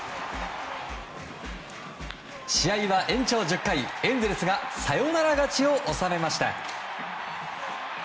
試合は延長１０回、エンゼルスがサヨナラ勝ちを収めました。